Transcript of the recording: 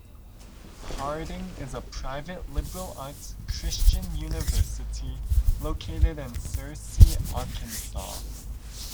Harding is a private liberal arts Christian university located in Searcy, Arkansas.